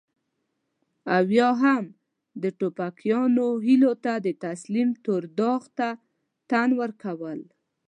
او يا هم د ټوپکيانو هيلو ته د تسليم تور داغ ته تن ورکول.